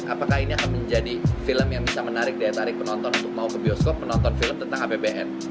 apakah ini akan menjadi film yang bisa menarik daya tarik penonton untuk mau ke bioskop menonton film tentang apbn